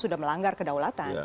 sudah melanggar kedaulatan